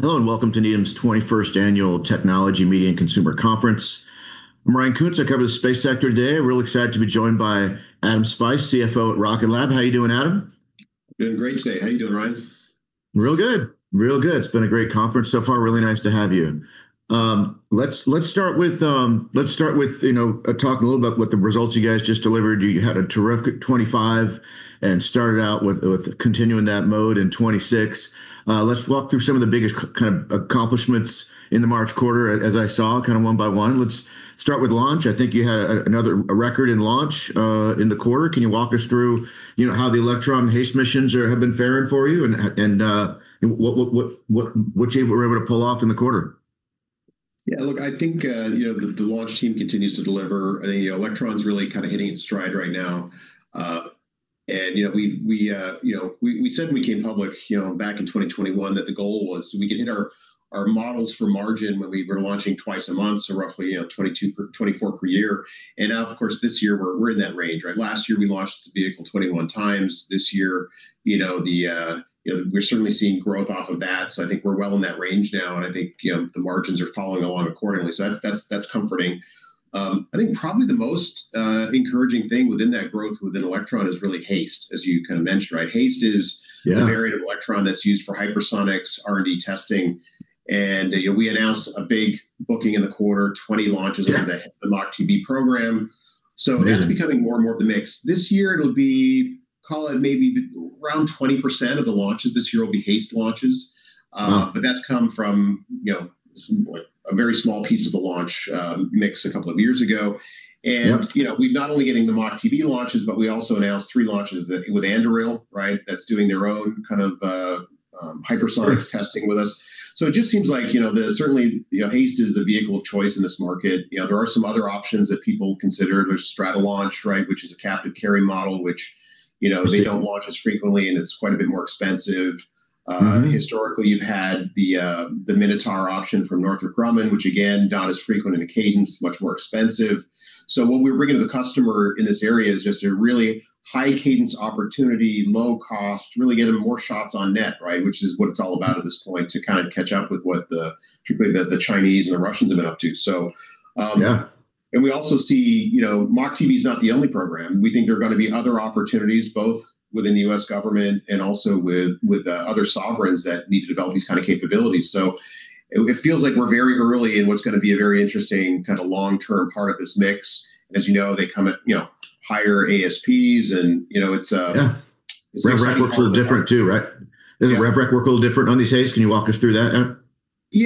Hello, welcome to Needham's 21st Annual Technology Media and Consumer Conference. I'm Ryan Koontz. I cover the space sector today. Really excited to be joined by Adam Spice, CFO at Rocket Lab. How you doing, Adam? Doing great today. How you doing, Ryan? Real good. It's been a great conference so far. Really nice to have you. Let's start with talking a little about what the results you guys just delivered. You had a terrific 2025, started out with continuing that mode in 2026. Let's walk through some of the biggest kind of accomplishments in the March quarter as I saw one by one. Let's start with launch. I think you had another record in launch, in the quarter. Can you walk us through how the Electron HASTE missions have been faring for you, and what you were able to pull off in the quarter? Yeah, look, I think the launch team continues to deliver. I think Electron's really kind of hitting its stride right now. We said when we came public back in 2021 that the goal was so we could hit our models for margin when we were launching twice a month, so roughly 24 per year. Now of course, this year we're in that range. Last year we launched the vehicle 21 times. This year, we're certainly seeing growth off of that. I think we're well in that range now, and I think the margins are following along accordingly. That's comforting. I think probably the most encouraging thing within that growth within Electron is really HASTE, as you kind of mentioned. Yeah the variant of Electron that's used for hypersonics R&D testing. We announced a big booking in the quarter, 20 launches. Yeah under the MACH-TB program. It's. Yeah becoming more and more of the mix. This year it'll be, call it maybe around 20% of the launches this year will be HASTE launches. Wow. That's come from a very small piece of the launch mix a couple of years ago. Yeah We're not only getting the MACH-TB launches, but we also announced three launches with Anduril. That's doing their own kind of hypersonics testing with us. It just seems like certainly, HASTE is the vehicle of choice in this market. There are some other options that people consider. There's Stratolaunch, which is a captive carry model. I see They don't launch as frequently, and it's quite a bit more expensive. Historically, you've had the Minotaur option from Northrop Grumman, which again, not as frequent in a cadence, much more expensive. What we bring to the customer in this area is just a really high cadence opportunity, low cost, really getting more shots on net, which is what it's all about at this point, to kind of catch up with what the Chinese and the Russians have been up to. Yeah we also see MACH-TB's not the only program. We think there are going to be other opportunities both within the U.S. government and also with other sovereigns that need to develop these kind of capabilities. It feels like we're very early in what's going to be a very interesting kind of long-term part of this mix. You know, they come at higher ASPs and it's Yeah it's an exciting part of the work. rev rec works a little different too, right? Yeah. Doesn't rev rec work a little different on these HASTE? Can you walk us through that, Adam?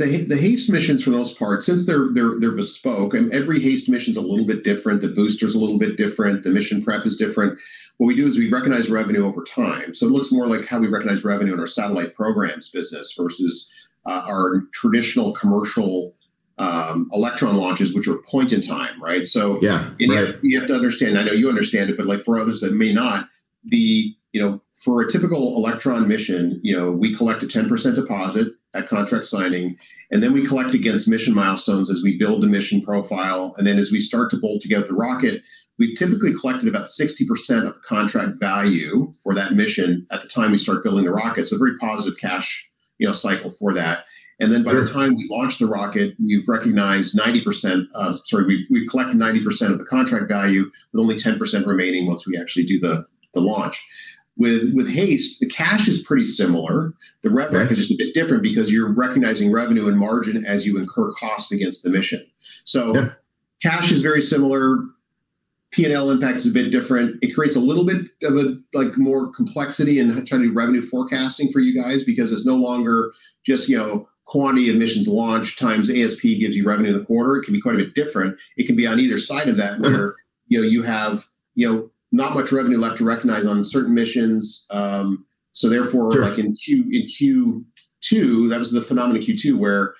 Yeah. The HASTE missions for the most part, since they're bespoke, and every HASTE mission's a little bit different, the booster's a little bit different, the mission prep is different. What we do is we recognize revenue over time. It looks more like how we recognize revenue in our satellite programs business versus our traditional commercial Electron launches, which are point in time, right? Yeah. Right. You have to understand, I know you understand it, but like for others that may not, for a typical Electron mission, we collect a 10% deposit at contract signing, then we collect against mission milestones as we build the mission profile. Then as we start to build together the rocket, we've typically collected about 60% of contract value for that mission at the time we start building the rocket. It's a very positive cash cycle for that. Then by the time we launch the rocket, we've collected 90% of the contract value with only 10% remaining once we actually do the launch. With HASTE, the cash is pretty similar. The rev rec- Right Is just a bit different because you're recognizing revenue and margin as you incur cost against the mission. Yeah cash is very similar. P&L impact is a bit different. It creates a little bit of more complexity in trying to do revenue forecasting for you guys because it's no longer just quantity of missions launched times ASP gives you revenue in the quarter. It can be quite a bit different. It can be on either side of that where. Right you have not much revenue left to recognize on certain missions. Therefore. Sure like in Q2, that was the phenomenon in Q2 where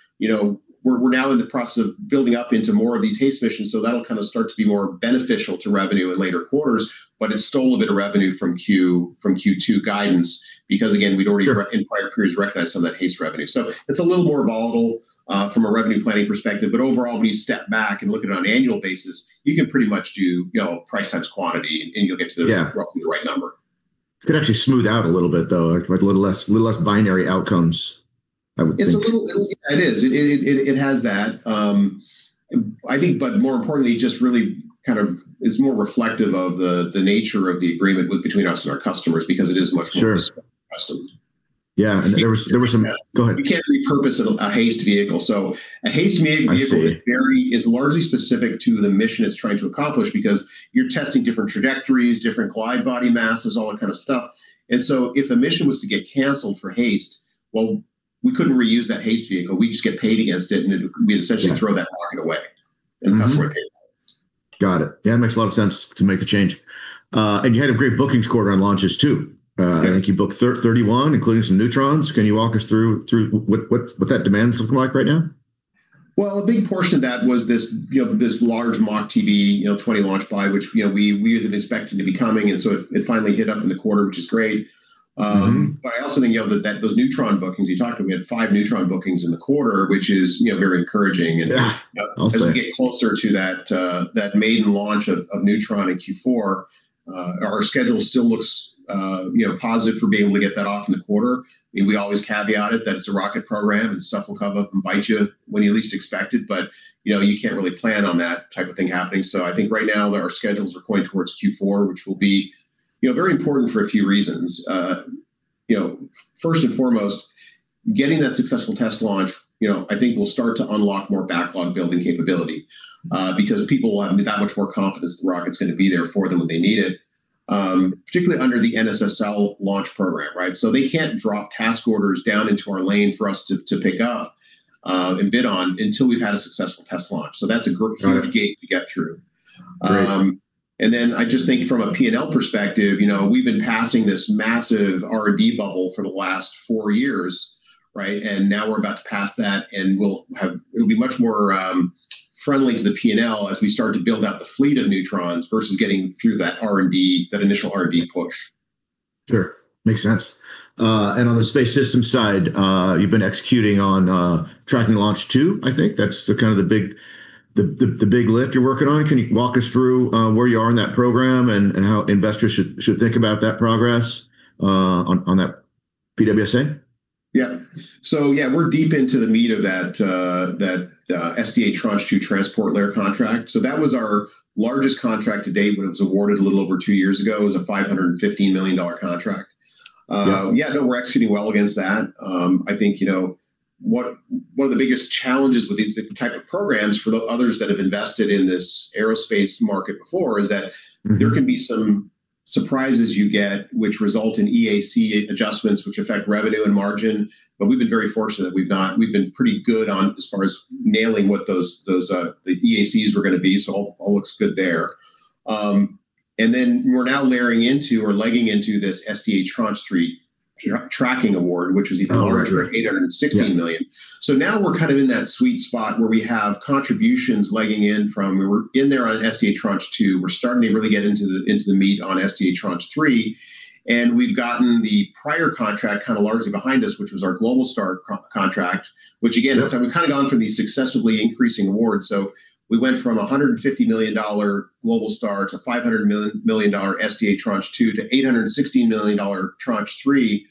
we're now in the process of building up into more of these HASTE missions. That'll kind of start to be more beneficial to revenue in later quarters, but it stole a bit of revenue from Q2 guidance because again, we'd already. Sure in prior periods recognized some of that HASTE revenue. It's a little more volatile, from a revenue planning perspective, but overall, when you step back and look at it on an annual basis, you can pretty much do price times quantity, and you'll get to the. Yeah roughly the right number. Could actually smooth out a little bit, though, with a little less binary outcomes, I would think. It is. It has that. I think but more importantly, just really kind of is more reflective of the nature of the agreement between us and our customers because it is much more. Sure custom. Yeah. There was. Go ahead. You can't repurpose a HASTE vehicle. I see A HASTE vehicle is largely specific to the mission it's trying to accomplish because you're testing different trajectories, different glide body masses, all that kind of stuff. If a mission was to get canceled for HASTE, well, we couldn't reuse that HASTE vehicle. We just get paid against it, and we'd essentially throw that rocket away. The customer would pay. Got it. Yeah, it makes a lot of sense to make the change. You had a great bookings quarter on launches, too. Yeah. I think you booked 31, including some Neutrons. Can you walk us through what that demand's looking like right now? A big portion of that was this large MACH-TB, 20 launch buy, which we had been expecting to be coming. It finally hit up in the quarter, which is great. I also think of those Neutron bookings. You talked about we had five Neutron bookings in the quarter, which is very encouraging. Yeah. I'll say. As we get closer to that maiden launch of Neutron in Q4, our schedule still looks positive for being able to get that off in the quarter. We always caveat it that it's a rocket program, and stuff will come up and bite you when you least expect it, but you can't really plan on that type of thing happening. I think right now, our schedules are pointing towards Q4, which will be very important for a few reasons. First and foremost, getting that successful test launch, I think will start to unlock more backlog building capability, because people will have that much more confidence the rocket's going to be there for them when they need it. Particularly under the NSSL launch program. They can't drop task orders down into our lane for us to pick up and bid on until we've had a successful test launch. That's a huge gate to get through. Great. I just think from a P&L perspective, we've been passing this massive R&D bubble for the last four years, and now we're about to pass that, and it'll be much more friendly to the P&L as we start to build out the fleet of Neutrons versus getting through that initial R&D push. Sure. Makes sense. On the space systems side, you've been executing on SDA Tranche 2, I think. That's the big lift you're working on. Can you walk us through where you are in that program and how investors should think about that progress on that PWSA? Yeah. We're deep into the meat of that SDA Tranche 2 transport layer contract. That was our largest contract to date when it was awarded a little over two years ago. It was a $515 million contract. Yeah. Yeah, no, we're executing well against that. I think one of the biggest challenges with these type of programs for the others that have invested in this aerospace market before is that. There can be some surprises you get, which result in EAC adjustments, which affect revenue and margin. We've been very fortunate. We've been pretty good on as far as nailing what those EACs were going to be, all looks good there. We're now layering into or legging into this SDA Tranche 3 tracking award, which was even larger. Even larger $816 million. Now we're kind of in that sweet spot where we have contributions legging in from, we're in there on SDA Tranche 2. We're starting to really get into the meat on SDA Tranche 3, We've gotten the prior contract largely behind us, which was our Globalstar contract. Yeah Which again Which again-we've kind of gone from these successively increasing awards. We went from $150 million Globalstar to $500 million SDA Tranche 2 to $816 million Tranche 3,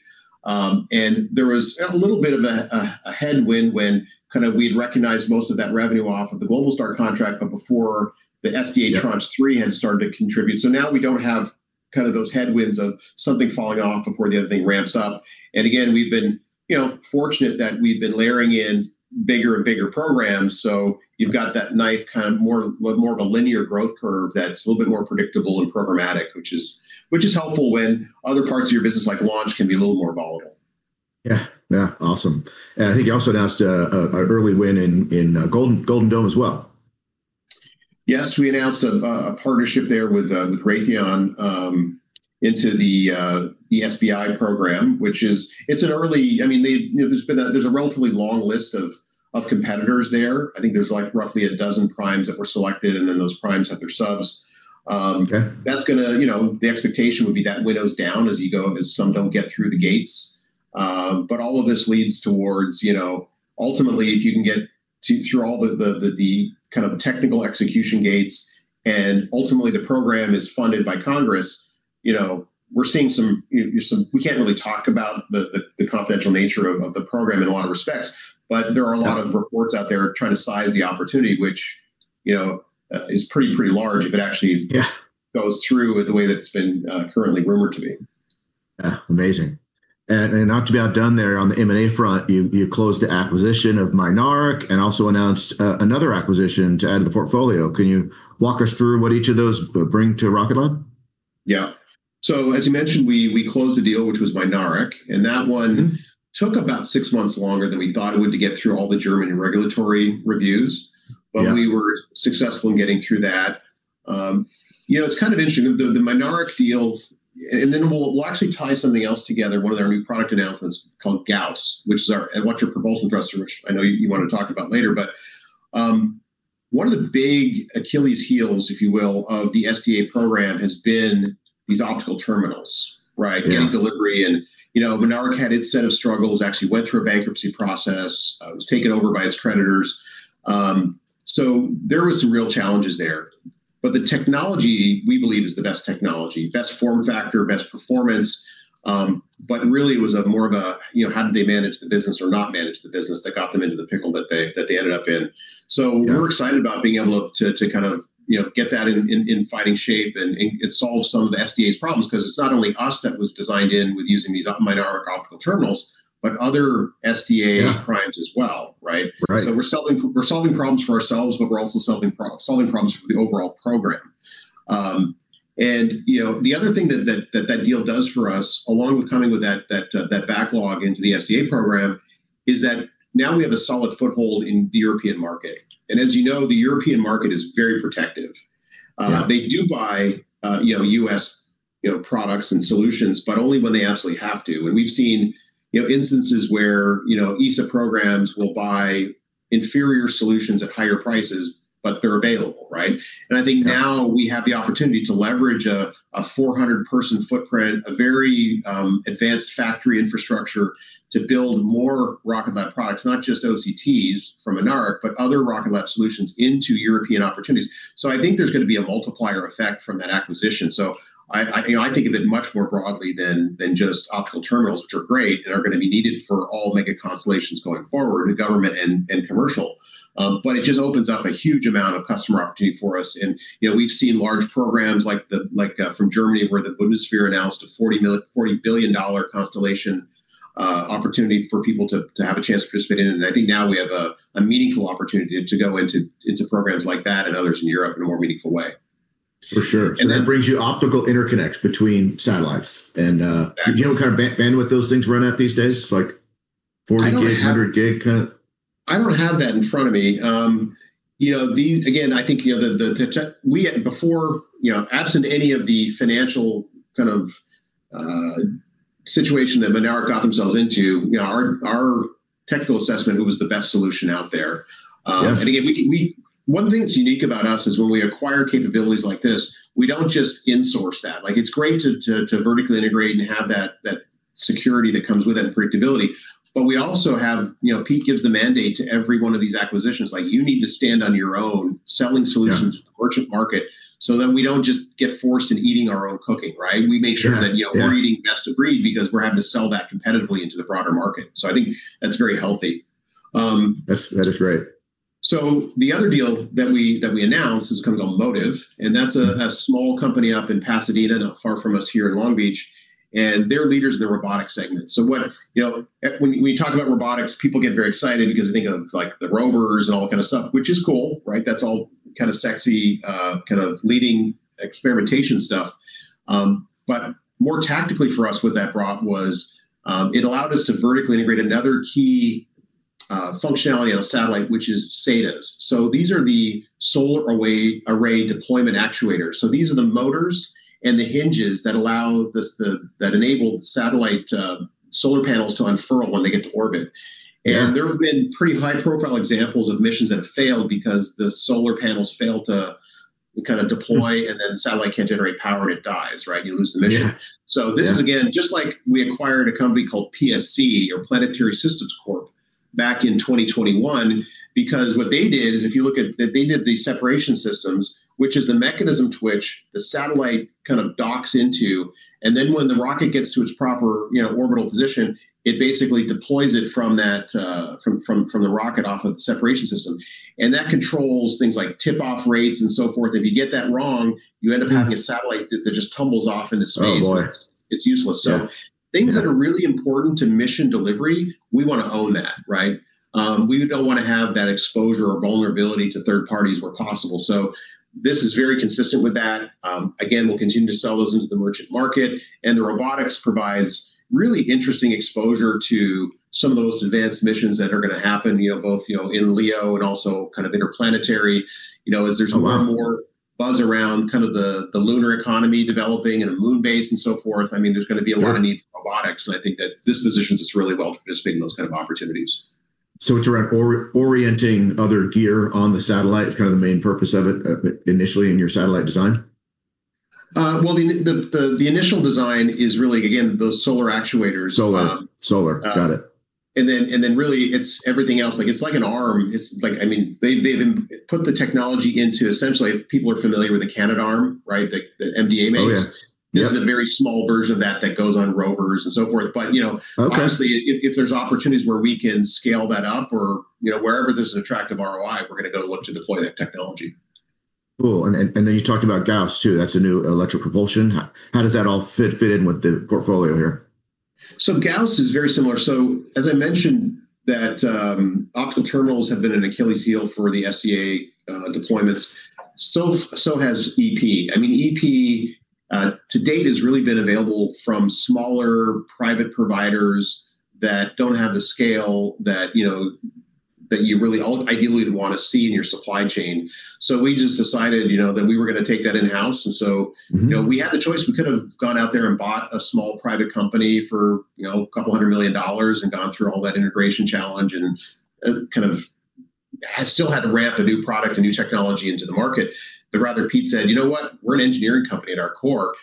There was a little bit of a headwind when we'd recognized most of that revenue off of the Globalstar contract, but before the SDA Tranche 3 had started to contribute. Yeah Now we don't have those headwinds of something falling off before the other thing ramps up, Again, we've been fortunate that we've been layering in bigger and bigger programs. You've got that like more of a linear growth curve that's a little bit more predictable and programmatic, which is helpful when other parts of your business, like launch, can be a little more volatile. Yeah. Awesome. I think you also announced an early win in Golden Dome as well. Yes. We announced a partnership there with Raytheon into the SBI program. There's a relatively long list of competitors there. I think there's roughly 12 primes that were selected, those primes have their subs. Okay. The expectation would be that winnows down as you go, as some don't get through the gates. All of this leads towards, ultimately, if you can get through all the kind of technical execution gates, ultimately the program is funded by Congress. We can't really talk about the confidential nature of the program in a lot of respects, there are a lot of reports out there trying to size the opportunity, which is pretty large if it actually goes through the way that it's been currently rumored to be. Yeah Yeah. Amazing. Not to be outdone there on the M&A front, you closed the acquisition of Mynaric, and also announced another acquisition to add to the portfolio. Can you walk us through what each of those bring to Rocket Lab? Yeah. As you mentioned, we closed the deal, which was Mynaric. That one took about 6 months longer than we thought it would to get through all the German regulatory reviews. Yeah. We were successful in getting through that. It's kind of interesting. The Mynaric deal. Then we'll actually tie something else together, one of our new product announcements called Gauss, which is our electric propulsion thruster, which I know you want to talk about later. One of the big Achilles' heels, if you will, of the SDA program has been these Optical Terminals. Yeah. Getting delivery. Mynaric had its set of struggles, actually went through a bankruptcy process, was taken over by its creditors. There were some real challenges there. The technology, we believe, is the best technology. Best form factor, best performance. Really, it was more of a how did they manage the business or not manage the business that got them into the pickle that they ended up in. Yeah. We're excited about being able to get that in fighting shape, and it solves some of the SDA's problems, because it's not only us that was designed in with using these Mynaric optical terminals, but other SDA primes as well, right? Right. We're solving problems for ourselves, but we're also solving problems for the overall program. The other thing that that deal does for us, along with coming with that backlog into the SDA program, is that now we have a solid foothold in the European market. As you know, the European market is very protective. Yeah. They do buy U.S. products and solutions, but only when they absolutely have to. We've seen instances where ESA programs will buy inferior solutions at higher prices, but they're available, right? Yeah. I think now we have the opportunity to leverage a 400-person footprint, a very advanced factory infrastructure to build more Rocket Lab products, not just OCTs from Mynaric, but other Rocket Lab solutions into European opportunities. I think there's going to be a multiplier effect from that acquisition. I think of it much more broadly than just optical terminals, which are great, and are going to be needed for all mega constellations going forward, in government and commercial. It just opens up a huge amount of customer opportunity for us. We've seen large programs like from Germany where the Bundeswehr announced a $40 billion constellation opportunity for people to have a chance to participate in. I think now we have a meaningful opportunity to go into programs like that and others in Europe in a more meaningful way. For sure. That brings you optical interconnects between satellites. Do you know what kind of bandwidth those things run at these days? It's like 40 gig. I don't have. 100 gig kind of? I don't have that in front of me. Again, absent any of the financial kind of situation that Mynaric got themselves into, our technical assessment, it was the best solution out there. Yeah. Again, one thing that's unique about us is when we acquire capabilities like this, we don't just insource that. It's great to vertically integrate and have that security that comes with it and predictability. We also have, Pete gives the mandate to every one of these acquisitions, like, "You need to stand on your own selling solutions to the merchant market," that we don't just get forced into eating our own cooking, right? Yeah Yeah. Yeah We make sure that we're eating best of breed because we're having to sell that competitively into the broader market. I think that's very healthy. That is great. The other deal that we announced comes on Motiv, and that's a small company up in Pasadena, not far from us here in Long Beach, and they're leaders in the robotics segment. When we talk about robotics, people get very excited because they think of the rovers and all kind of stuff. Which is cool, right? That's all kind of sexy, kind of leading experimentation stuff. More tactically for us, what that brought was it allowed us to vertically integrate another key functionality of the satellite, which is SADAs. These are the solar array deployment actuators. These are the motors and the hinges that enable the satellite solar panels to unfurl when they get to orbit. Yeah. There have been pretty high-profile examples of missions that have failed because the solar panels fail to kind of deploy, and then the satellite can't generate power, it dies, right? You lose the mission. Yeah. This is, again, just like we acquired a company called PSC, or Planetary Systems Corp, back in 2021, because what they did is if you look at, they did the separation systems, which is the mechanism to which the satellite kind of docks into, and then when the rocket gets to its proper orbital position, it basically deploys it from the rocket off of the separation system. That controls things like tip-off rates and so forth. If you get that wrong, you end up having a satellite that just tumbles off into space. Oh, boy. It's useless. Yeah. Things that are really important to mission delivery, we want to own that, right? We don't want to have that exposure or vulnerability to third parties where possible. This is very consistent with that. Again, we'll continue to sell those into the merchant market, and the robotics provides really interesting exposure to some of those advanced missions that are going to happen, both in LEO and also kind of interplanetary. There's a lot more buzz around the lunar economy developing and a moon base and so forth. There's going to be a lot of need for robotics, and I think that this positions us really well to participate in those kind of opportunities. It's around orienting other gear on the satellite is kind of the main purpose of it initially in your satellite design? Well, the initial design is really, again, those solar actuators. Solar. Got it. Really it's everything else. It's like an arm. They've put the technology into, essentially, if people are familiar with the Canadarm, right, that MDA makes. Oh, yeah. Yep. This is a very small version of that that goes on rovers and so forth. Okay Obviously, if there's opportunities where we can scale that up or wherever there's an attractive ROI, we're going to go look to deploy that technology. Cool. Then you talked about Gauss, too. That's a new electric propulsion. How does that all fit in with the portfolio here? Gauss is very similar. As I mentioned that optical terminals have been an Achilles heel for the SDA deployments, so has EP. EP to date has really been available from smaller private providers that don't have the scale that you really ideally would want to see in your supply chain. We just decided that we were going to take that in-house. We had the choice. We could've gone out there and bought a small private company for a couple hundred million dollars and gone through all that integration challenge and kind of still had to ramp a new product, a new technology into the market. Rather, Pete said, "You know what? We're an engineering company at our core.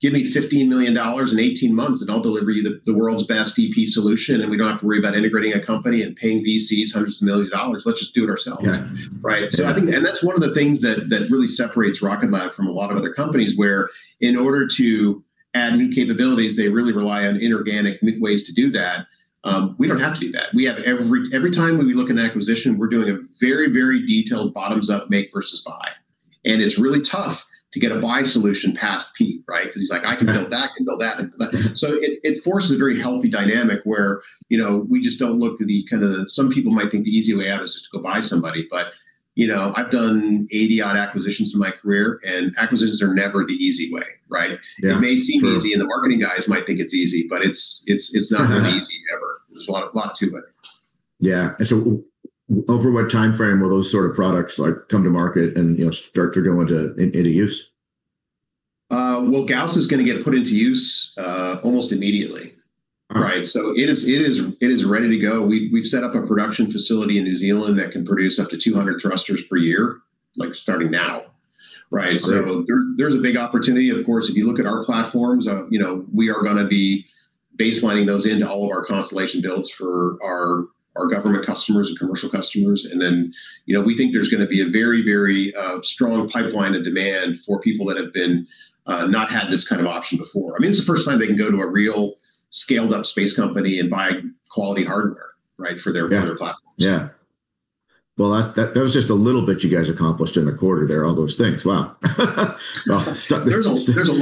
Give me $15 million and 18 months, and I'll deliver you the world's best EP solution, and we don't have to worry about integrating a company and paying VCs hundreds of millions of dollars. Let's just do it ourselves. Yeah. Right. That's one of the things that really separates Rocket Lab from a lot of other companies, where in order to add new capabilities, they really rely on inorganic ways to do that. We don't have to do that. Every time when we look at an acquisition, we're doing a very detailed bottoms-up make versus buy. It's really tough to get a buy solution past Pete, right? Because he's like, "I can build that, can build that, and build that." It forces a very healthy dynamic where we just don't look to the kind of, some people might think the easy way out is just to go buy somebody, I've done 80-odd acquisitions in my career, and acquisitions are never the easy way, right? Yeah. True. It may seem easy, the marketing guys might think it's easy, it's not that easy ever. There's a lot to it. Over what timeframe will those sort of products come to market and start to go into use? Well, Gauss is going to get put into use almost immediately. All right. It is ready to go. We've set up a production facility in New Zealand that can produce up to 200 thrusters per year, starting now. Great. There's a big opportunity. Of course, if you look at our platforms, we are going to be baselining those into all of our constellation builds for our government customers and commercial customers. We think there's going to be a very strong pipeline of demand for people that have not had this kind of option before. It's the first time they can go to a real scaled-up space company and buy quality hardware for their platforms. Yeah. Well, that was just a little bit you guys accomplished in a quarter there, all those things. Wow. There's a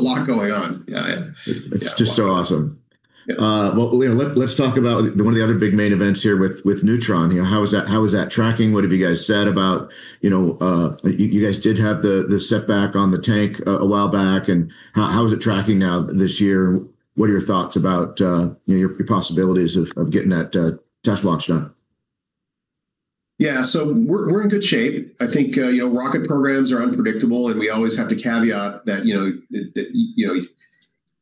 lot going on. Yeah. It's just so awesome. Yeah. Well, let's talk about one of the other big main events here with Neutron. How is that tracking? What have you guys said about? You guys did have the setback on the tank a while back. How is it tracking now this year? What are your thoughts about your possibilities of getting that test launch done? Yeah. We're in good shape. I think rocket programs are unpredictable, and we always have to caveat that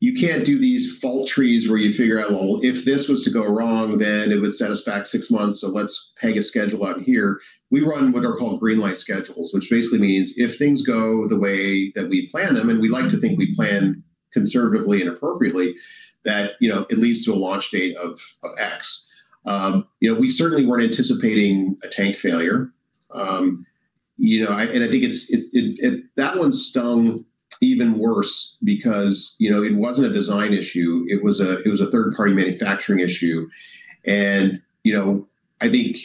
you can't do these fault trees where you figure out, "Well, if this was to go wrong, then it would set us back six months, so let's peg a schedule out here." We run what are called green light schedules, which basically means if things go the way that we plan them, and we like to think we plan conservatively and appropriately, that it leads to a launch date of X. We certainly weren't anticipating a tank failure. I think that one stung even worse because it wasn't a design issue, it was a third-party manufacturing issue. I think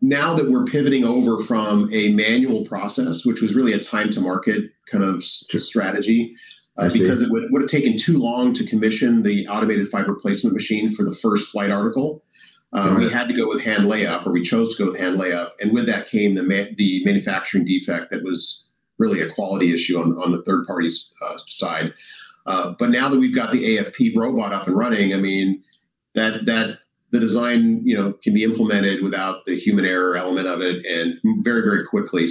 now that we're pivoting over from a manual process, which was really a time-to-market kind of strategy. I see Because it would've taken too long to commission the automated fiber placement machine for the first flight article. Okay. We had to go with hand layup, or we chose to go with hand layup. With that came the manufacturing defect that was really a quality issue on the third party's side. Now that we've got the AFP robot up and running, the design can be implemented without the human error element of it, and very quickly.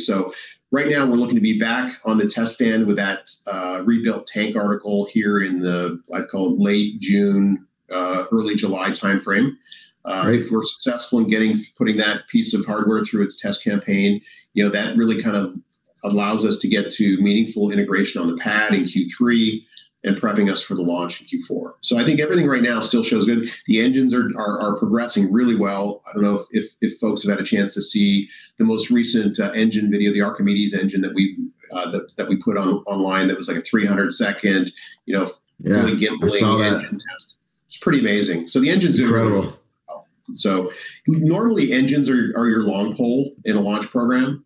Right now we're looking to be back on the test stand with that rebuilt tank article here in the, I'd call it late June, early July timeframe. Great. If we're successful in putting that piece of hardware through its test campaign, that really kind of allows us to get to meaningful integration on the pad in Q3 and prepping us for the launch in Q4. I think everything right now still shows good. The engines are progressing really well. I don't know if folks have had a chance to see the most recent engine video, the Archimedes engine that we put online that was like a 300-second fully gimbaled engine test. Yeah. I saw that. It's pretty amazing. The engine's incredible. Incredible. Normally engines are your long pole in a launch program.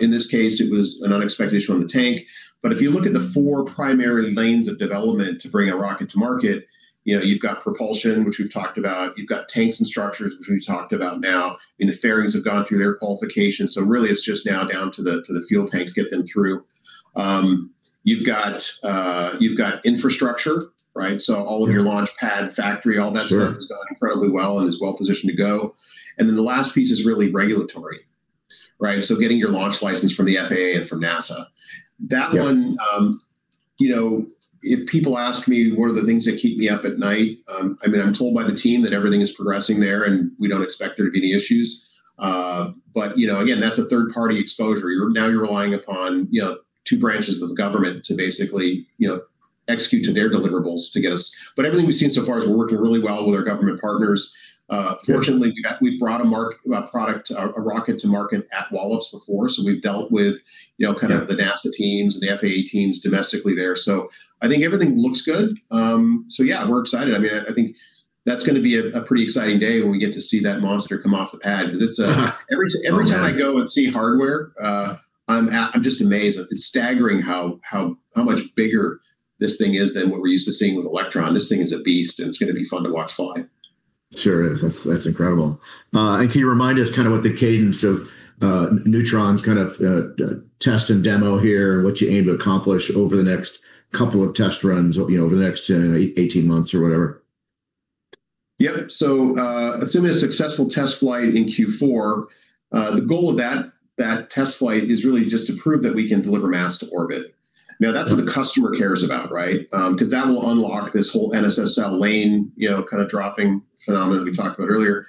In this case, it was an unexpected issue on the tank. If you look at the four primary lanes of development to bring a rocket to market, you've got propulsion, which we've talked about. You've got tanks and structures, which we've talked about now, and the fairings have gone through their qualification. Really it's just now down to the fuel tanks getting through. You've got infrastructure. All of your launchpad, factory, all that stuff has gone incredibly well and is well positioned to go. Sure The last piece is really regulatory. Yeah. Getting your launch license from the FAA and from NASA. Yeah. That one, if people ask me what are the things that keep me up at night, I'm told by the team that everything is progressing there, and we don't expect there to be any issues. Again, that's a third-party exposure. Now you're relying upon two branches of the government to basically execute to their deliverables to get us. Everything we've seen so far is we're working really well with our government partners. Yeah. Fortunately, we've brought a rocket to market at Wallops before, so we've dealt with. Yeah Kind of the NASA teams and the FAA teams domestically there. I think everything looks good. Yeah, we're excited. I think that's going to be a pretty exciting day when we get to see that monster come off the pad. Oh, man. Every time I go and see hardware, I'm just amazed. It's staggering how much bigger this thing is than what we're used to seeing with Electron. This thing is a beast, and it's going to be fun to watch fly. Sure is. That's incredible. Can you remind us what the cadence of Neutron's kind of test and demo here, and what you aim to accomplish over the next couple of test runs over the next 18 months or whatever? Yeah. Assuming a successful test flight in Q4, the goal of that test flight is really just to prove that we can deliver mass to orbit. Yeah. That's what the customer cares about. That will unlock this whole NSSL lane kind of dropping phenomenon we talked about earlier.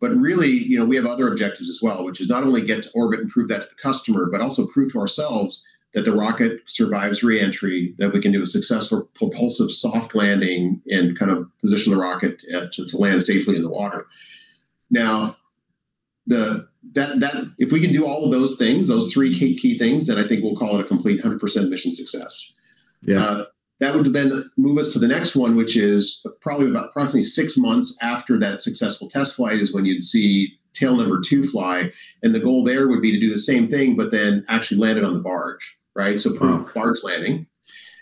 Really, we have other objectives as well, which is not only get to orbit and prove that to the customer, but also prove to ourselves that the rocket survives reentry, that we can do a successful propulsive soft landing, and kind of position the rocket to land safely in the water. If we can do all of those things, those three key things, then I think we'll call it a complete 100% mission success. Yeah. That would then move us to the next one, which is probably approximately six months after that successful test flight is when you'd see tail number 2 fly. The goal there would be to do the same thing, actually land it on the barge. Prove barge landing.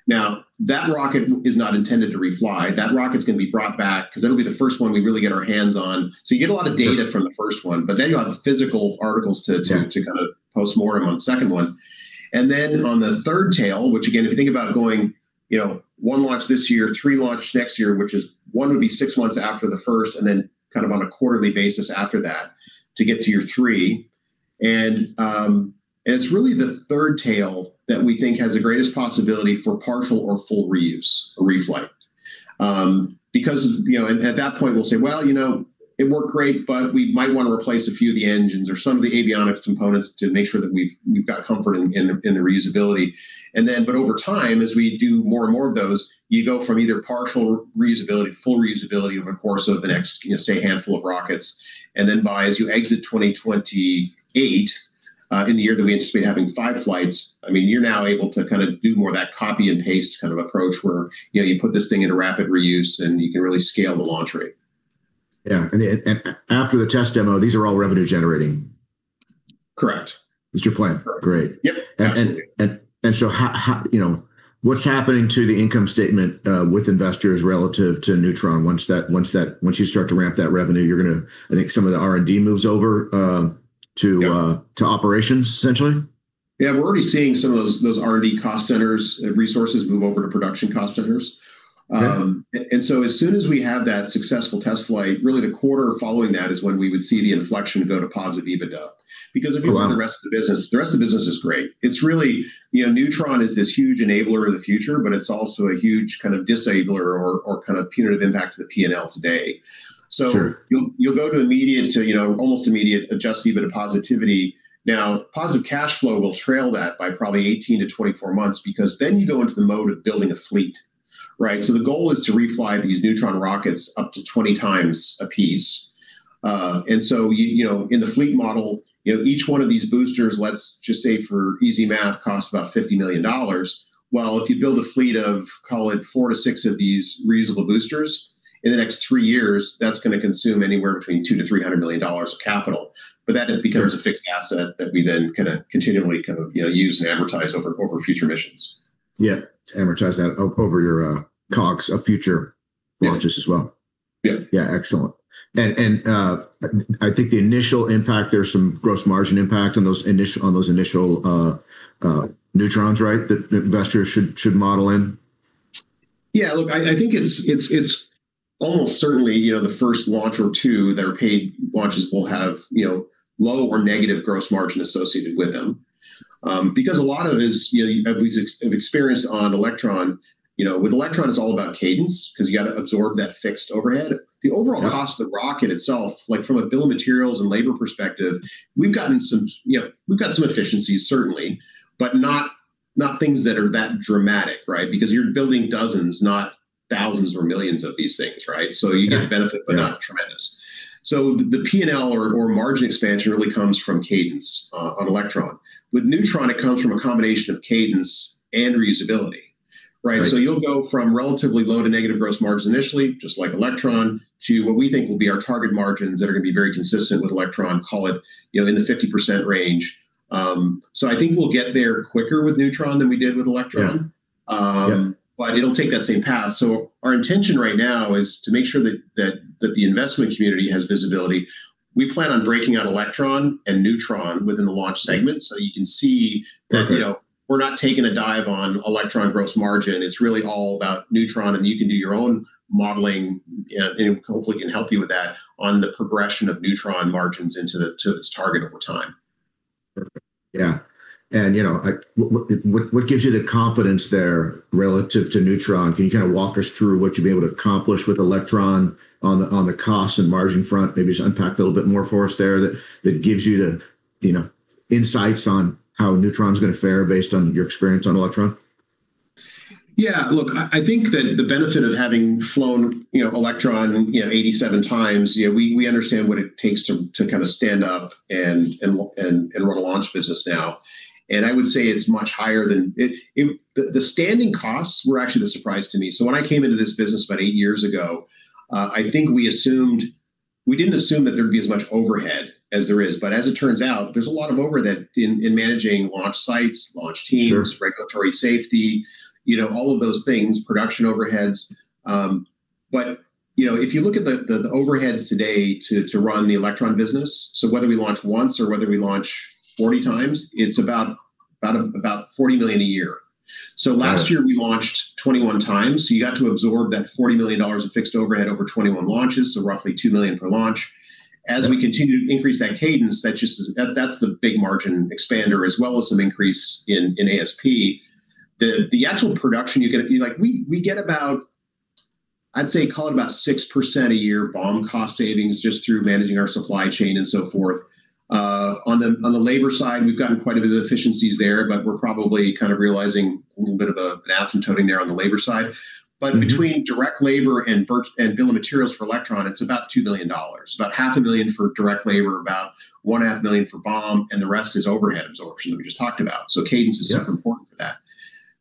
That rocket is not intended to re-fly. That rocket's going to be brought back because that'll be the first one we really get our hands on. You get a lot of data from the first one, but then you'll have physical articles kind of postmortem on the second one. Yeah On the third tail, which again, if you think about it, one launch this year, three launch next year, which is one would be six months after the first, then on a quarterly basis after that to get to your three. It's really the third tail that we think has the greatest possibility for partial or full reuse, a reflight. Because at that point, we'll say, "Well, it worked great, but we might want to replace a few of the engines or some of the avionics components to make sure that we've got comfort in the reusability." Over time, as we do more and more of those, you go from either partial reusability, full reusability over the course of the next say handful of rockets. By, as you exit 2028, in the year that we anticipate having five flights, you're now able to do more of that copy and paste kind of approach where you put this thing into rapid reuse, and you can really scale the launch rate. Yeah. After the test demo, these are all revenue generating. Correct. That's your plan. Correct. Great. Yep. Absolutely. What's happening to the income statement with investors relative to Neutron once you start to ramp that revenue? I think some of the R&D moves over- Yeah to operations essentially? Yeah. We're already seeing some of those R&D cost centers resources move over to production cost centers. Yeah. As soon as we have that successful test flight, really the quarter following that is when we would see the inflection go to positive EBITDA. Wow. If you look at the rest of the business, the rest of the business is great. Neutron is this huge enabler of the future, but it's also a huge kind of disabler or kind of punitive impact to the P&L today. Sure. You'll go to almost immediate adjusted EBITDA positivity. Now, positive cash flow will trail that by probably 18 to 24 months because you go into the mode of building a fleet, right? The goal is to refly these Neutron rockets up to 20 times a piece. In the fleet model, each one of these boosters, let's just say for easy math, costs about $50 million, while if you build a fleet of, call it four to six of these reusable boosters in the next three years, that's going to consume anywhere between 2 to $300 million of capital. That then becomes a fixed asset that we then continually use and amortize over future missions. Yeah. To amortize that over your COGS of future- Yeah launches as well. Yeah. Yeah. Excellent. I think the initial impact, there's some gross margin impact on those initial Neutrons, right, that investors should model in? Yeah. Look, I think it's almost certainly the first launch or two that our paid launches will have low or negative gross margin associated with them. A lot of it is we have experience on Electron. With Electron, it's all about cadence because you got to absorb that fixed overhead. Yeah. The overall cost of the rocket itself, from a bill of materials and labor perspective, we've gotten some efficiencies certainly, but not things that are that dramatic, right? You're building dozens, not thousands or millions of these things, right? Yeah. You get a benefit, but not tremendous. The P&L or margin expansion really comes from cadence on Electron. With Neutron, it comes from a combination of cadence and reusability, right? Right. You'll go from relatively low to negative gross margins initially, just like Electron, to what we think will be our target margins that are going to be very consistent with Electron, call it in the 50% range. I think we'll get there quicker with Neutron than we did with Electron. Yeah. It'll take that same path. Our intention right now is to make sure that the investment community has visibility. We plan on breaking out Electron and Neutron within the launch segment, so you can see. Perfect that we're not taking a dive on Electron gross margin. It's really all about Neutron, and you can do your own modeling, and hopefully can help you with that on the progression of Neutron margins into its target over time. Perfect. Yeah. What gives you the confidence there relative to Neutron? Can you walk us through what you'll be able to accomplish with Electron on the cost and margin front? Maybe just unpack that a little bit more for us there that gives you the insights on how Neutron's going to fare based on your experience on Electron. Yeah. Look, I think that the benefit of having flown Electron 87 times, we understand what it takes to stand up and run a launch business now. The standing costs were actually the surprise to me. When I came into this business about eight years ago, I think we didn't assume that there'd be as much overhead as there is. As it turns out, there's a lot of overhead in managing launch sites, launch teams. Sure Regulatory safety, all of those things, production overheads. If you look at the overheads today to run the Electron business, whether we launch once or whether we launch 40 times, it's about $40 million a year. Got it. Last year, we launched 21 times. You got to absorb that $40 million of fixed overhead over 21 launches, roughly $2 million per launch. Yeah. As we continue to increase that cadence, that's the big margin expander as well as some increase in ASP. The actual production you get, we get about, I'd say call it about 6% a year BOM cost savings just through managing our supply chain and so forth. On the labor side, we've gotten quite a bit of efficiencies there, but we're probably realizing a little bit of an asymptote in there on the labor side. Between direct labor and bill of materials for Electron, it's about $2 million. About $500,000 for direct labor, about one and a half million for BOM, and the rest is overhead absorption that we just talked about. Cadence is. Yeah Super important for that.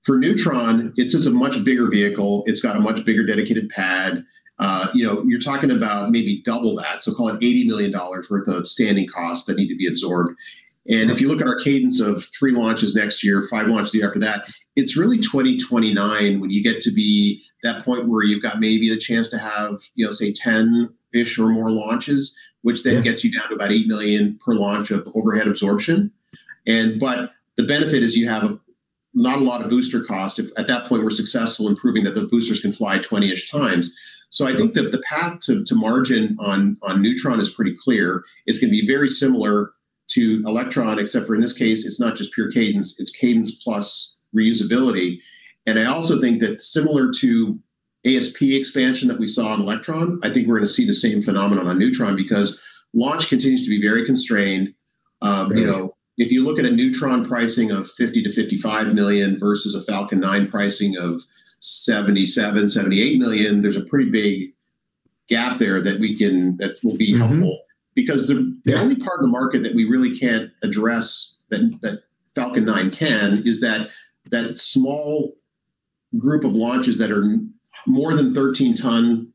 For Neutron, it's a much bigger vehicle. It's got a much bigger dedicated pad. You're talking about maybe double that, call it $80 million worth of standing costs that need to be absorbed. Right. If you look at our cadence of 3 launches next year, 5 launches the year after that, it's really 2029 when you get to be that point where you've got maybe the chance to have say 10-ish or more launches. Yeah. It gets you down to about $8 million per launch of overhead absorption. The benefit is you have not a lot of booster cost if at that point we're successful in proving that the boosters can fly 20-ish times. I think that the path to margin on Neutron is pretty clear. It's going to be very similar to Electron, except for in this case, it's not just pure cadence, it's cadence plus reusability. I also think that similar to ASP expansion that we saw on Electron, I think we're going to see the same phenomenon on Neutron because launch continues to be very constrained. Right. If you look at a Neutron pricing of $50 million-$55 million versus a Falcon 9 pricing of $77 million-$78 million, there's a pretty big gap there that will be helpful. Because the only part of the market that we really can't address that Falcon 9 can is that small group of launches that are more than 13 ton.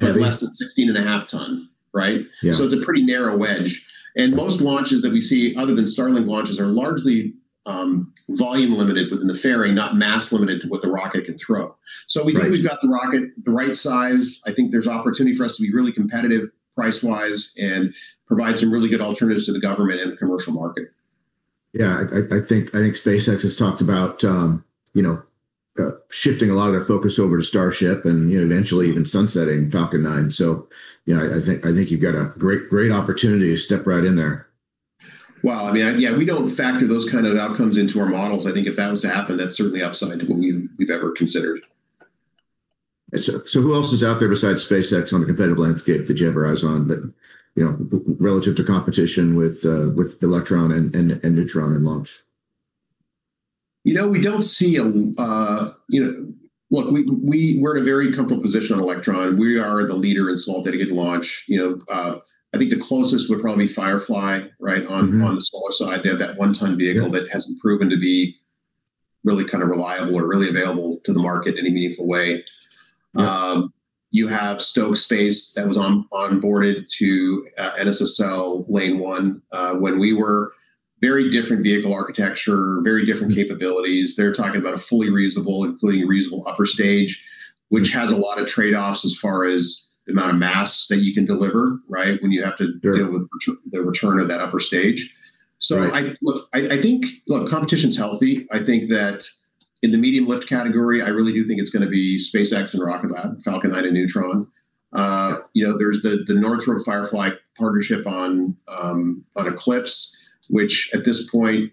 Heavy less than 16.5 ton, right? Yeah. It's a pretty narrow wedge. Most launches that we see other than Starlink launches are largely volume limited within the fairing, not mass limited to what the rocket can throw. Right. We think we've got the rocket the right size. I think there's opportunity for us to be really competitive price-wise and provide some really good alternatives to the government and the commercial market. Yeah. I think SpaceX has talked about shifting a lot of their focus over to Starship and eventually even sunsetting Falcon 9. I think you've got a great opportunity to step right in there. Well, yeah, we don't factor those kind of outcomes into our models. I think if that was to happen, that's certainly upside to what we've ever considered. Who else is out there besides SpaceX on the competitive landscape that you have your eyes on, relative to competition with Electron and Neutron in launch? Look, we're in a very comfortable position on Electron. We are the leader in small dedicated launch. I think the closest would probably be Firefly, right On the smaller side. They have that one ton vehicle. Yeah that hasn't proven to be really kind of reliable or really available to the market in a meaningful way. Yeah. You have Stoke Space that was onboarded to NSSL Lane 1 when we were very different vehicle architecture, very different capabilities. They're talking about a fully reusable, including a reusable upper stage, which has a lot of trade-offs as far as the amount of mass that you can deliver, right, when you have to- Sure deal with the return of that upper stage. Right. Look, I think competition's healthy. I think that in the medium-lift category, I really do think it's going to be SpaceX and Rocket Lab, Falcon 9 and Neutron. Yeah. There's the Northrop Firefly partnership on Eclipse, which at this point,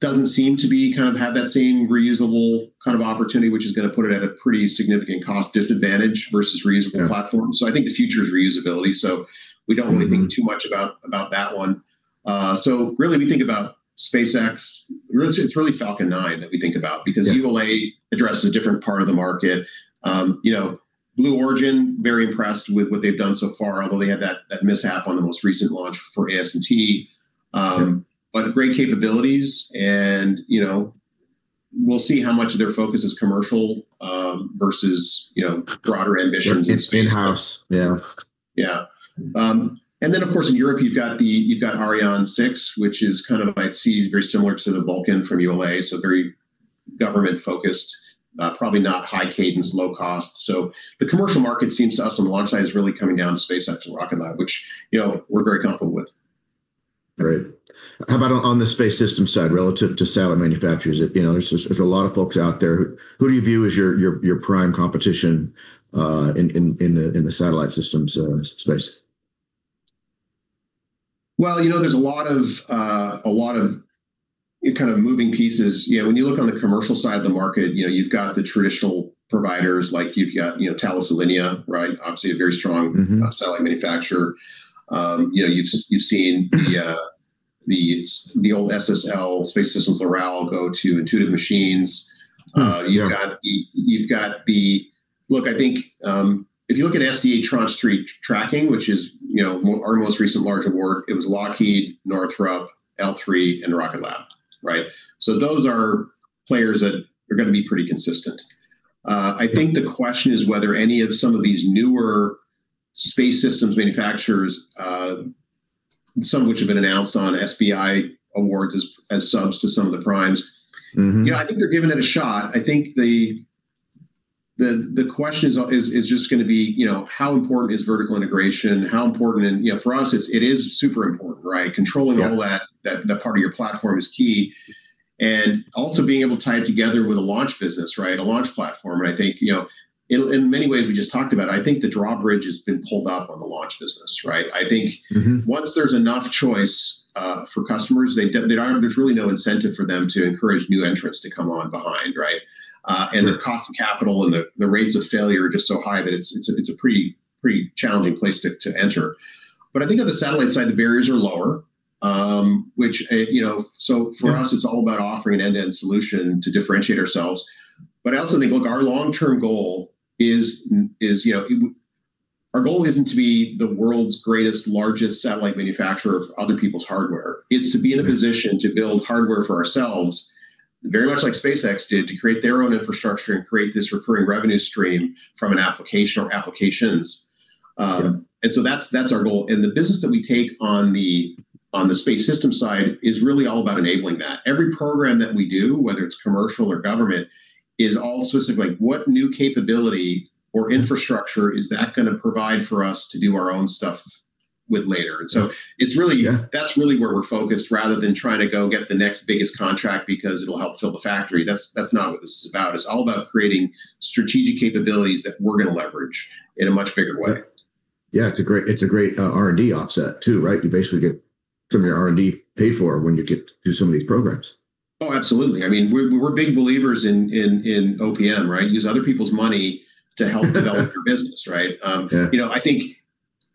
doesn't seem to have that same reusable kind of opportunity, which is going to put it at a pretty significant cost disadvantage versus reusable platforms. Yeah. I think the future is reusability, we don't really think too much about that one. Really we think about SpaceX, it's really Falcon 9 that we think about. Yeah Because ULA addresses a different part of the market. Blue Origin, very impressed with what they've done so far, although they had that mishap on the most recent launch for AS&T. Yeah. Great capabilities and we'll see how much of their focus is commercial versus broader ambitions in space. It's mixed. Yeah. Yeah. Of course in Europe, you've got Ariane 6, which is kind of I'd see as very similar to the Vulcan from ULA, very government-focused, probably not high cadence, low cost. The commercial market seems to us on the launch side is really coming down to SpaceX and Rocket Lab, which we're very comfortable with. Right. How about on the space system side, relative to satellite manufacturers? There's a lot of folks out there. Who do you view as your prime competition in the satellite systems space? Well, there's a lot of kind of moving pieces. You look on the commercial side of the market, you've got the traditional providers. You've got Thales Alenia, right? satellite manufacturer. You've seen the old SSL, Space Systems Loral, go to Intuitive Machines. Yeah. Look, I think, if you look at SDA Tranche 3 tracking, which is our most recent large award, it was Lockheed, Northrop, L3, and Rocket Lab, right? Those are players that are going to be pretty consistent. I think the question is whether any of some of these newer space systems manufacturers, some of which have been announced on SBI awards as subs to some of the primes. Yeah, I think they're giving it a shot. I think the question is just going to be, how important is vertical integration? For us, it is super important, right? Yeah. Controlling all that part of your platform is key. Also being able to tie it together with a launch business, right? A launch platform. I think, in many ways, we just talked about it, I think the drawbridge has been pulled up on the launch business, right? I think once there's enough choice for customers, there's really no incentive for them to encourage new entrants to come on behind, right? Sure. The cost of capital and the rates of failure are just so high that it's a pretty challenging place to enter. I think on the satellite side, the barriers are lower. Yeah. For us, it's all about offering an end-to-end solution to differentiate ourselves. I also think, look, our long-term goal isn't to be the world's greatest, largest satellite manufacturer of other people's hardware. It's to be in a position to build hardware for ourselves, very much like SpaceX did to create their own infrastructure and create this recurring revenue stream from an application or applications. Yeah. That's our goal. The business that we take on the space system side is really all about enabling that. Every program that we do, whether it's commercial or government, is all specific. What new capability or infrastructure is that going to provide for us to do our own stuff with later. Yeah. That's really where we're focused rather than trying to go get the next biggest contract because it'll help fill the factory. That's not what this is about. It's all about creating strategic capabilities that we're going to leverage in a much bigger way. Yeah. It's a great R&D offset, too, right? You basically get some of your R&D paid for when you get to do some of these programs. Oh, absolutely. We're big believers in OPM, right? Use other people's money to develop your business, right? Yeah. I think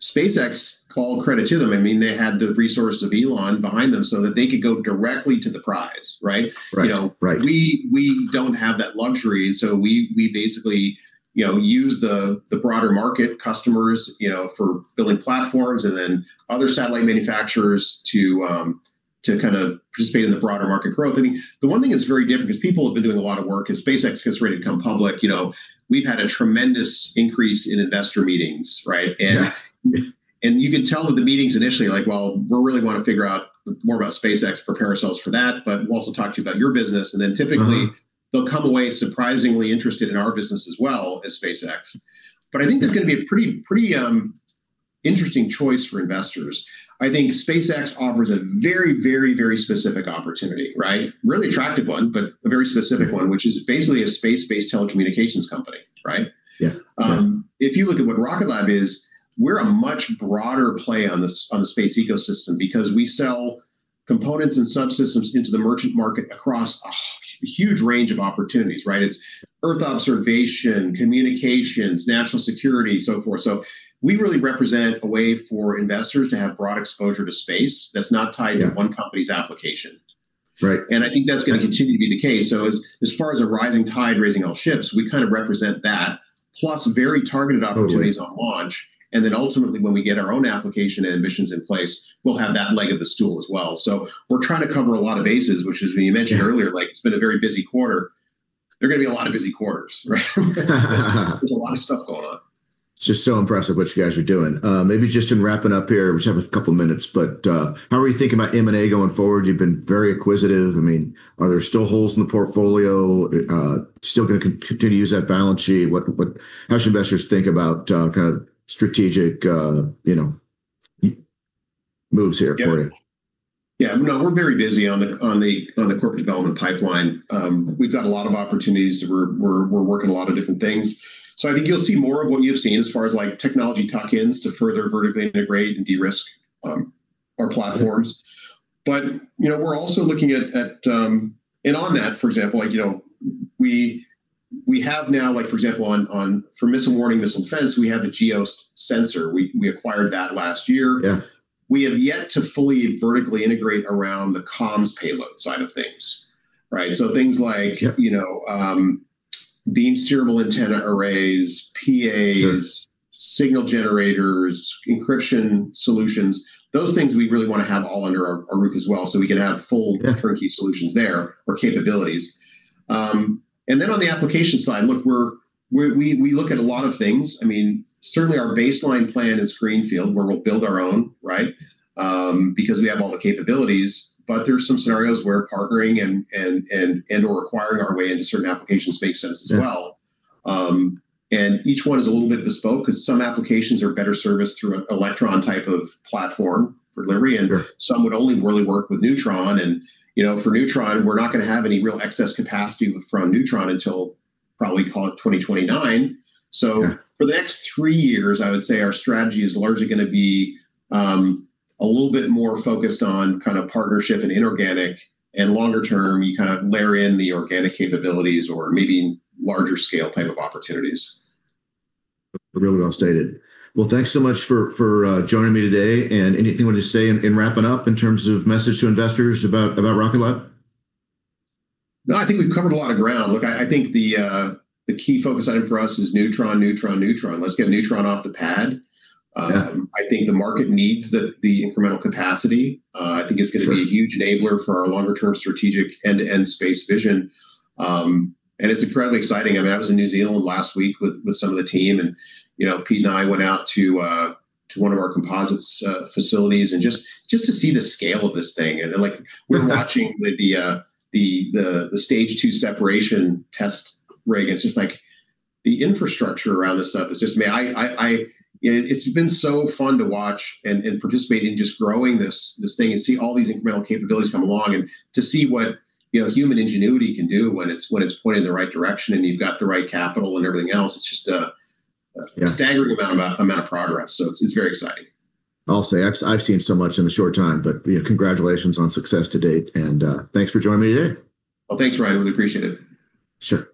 SpaceX, all credit to them, they had the resource of Elon behind them so that they could go directly to the prize, right? Right. We don't have that luxury, so we basically use the broader market customers for building platforms and then other satellite manufacturers to participate in the broader market growth. The one thing that's very different, because people have been doing a lot of work, as SpaceX gets ready to come public, we've had a tremendous increase in investor meetings, right? Yeah. You could tell that the meetings initially like, "Well, we really want to figure out more about SpaceX, prepare ourselves for that, but we'll also talk to you about your business." Typically they'll come away surprisingly interested in our business as well as SpaceX. I think they're going to be a pretty interesting choice for investors. I think SpaceX offers a very, very, very specific opportunity, right? Really attractive one, but a very specific one, which is basically a space-based telecommunications company, right? Yeah. If you look at what Rocket Lab is, we're a much broader play on the space ecosystem because we sell components and subsystems into the merchant market across a huge range of opportunities, right? It's earth observation, communications, national security, so forth. We really represent a way for investors to have broad exposure to space that's not tied to one company's application. Right. I think that's going to continue to be the case. As far as a rising tide raising all ships, we kind of represent that, plus very targeted opportunities. Totally On launch, and then ultimately when we get our own application and missions in place, we'll have that leg of the stool as well. We're trying to cover a lot of bases, which is, as you mentioned earlier, it's been a very busy quarter. They're going to be a lot of busy quarters, right? There's a lot of stuff going on. It's just so impressive what you guys are doing. Maybe just in wrapping up here, we just have a couple of minutes, how are we thinking about M&A going forward? You've been very acquisitive. Are there still holes in the portfolio? Still going to continue to use that balance sheet? How should investors think about kind of strategic moves here for you? Yeah. No, we're very busy on the corporate development pipeline. We've got a lot of opportunities. We're working a lot of different things. I think you'll see more of what you've seen as far as technology tuck-ins to further vertically integrate and de-risk our platforms. We're also looking at On that, for example, we have now for example, for missile warning, missile defense, we have the GEO sensor. We acquired that last year. Yeah. We have yet to fully vertically integrate around the comms payload side of things, right? Things like beam steerable antenna arrays, PAs- Sure signal generators, encryption solutions. Those things we really want to have all under our roof as well, so we can have full turnkey solutions there, or capabilities. Then on the application side, we look at a lot of things. Certainly our baseline plan is greenfield, where we'll build our own, right? Because we have all the capabilities, but there are some scenarios where partnering and/or acquiring our way into certain applications makes sense as well. Each one is a little bit bespoke because some applications are better serviced through an Electron type of platform for delivery- Sure Some would only really work with Neutron. For Neutron, we're not going to have any real excess capacity from Neutron until probably, call it 2029. Yeah. For the next three years, I would say our strategy is largely going to be a little bit more focused on kind of partnership and inorganic, and longer-term, you kind of layer in the organic capabilities or maybe larger scale type of opportunities. Really well-stated. Well, thanks so much for joining me today, and anything you want to say in wrapping up in terms of message to investors about Rocket Lab? No, I think we've covered a lot of ground. Look, I think the key focus item for us is Neutron, Neutron. Let's get Neutron off the pad. Yeah. I think the market needs the incremental capacity. I think it's going to be- Sure a huge enabler for our longer-term strategic end-to-end space vision. It's incredibly exciting. I was in New Zealand last week with some of the team, and Pete and I went out to one of our composites facilities, and just to see the scale of this thing. Then we're watching- Wow the stage 2 separation test, Ryan, it's just like the infrastructure around this stuff is just man, it's been so fun to watch and participate in just growing this thing and see all these incremental capabilities come along, and to see what human ingenuity can do when it's pointed in the right direction, and you've got the right capital and everything else. Yeah staggering amount of progress. It's very exciting. I'll say. I've seen so much in a short time, congratulations on success to date. Thanks for joining me today. Oh, thanks, Ryan. Really appreciate it. Sure